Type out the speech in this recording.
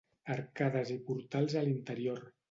Arcades i portals a l'interior.